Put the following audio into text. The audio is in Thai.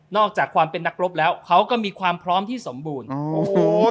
อกจากความเป็นนักรบแล้วเขาก็มีความพร้อมที่สมบูรณ์โอ้โห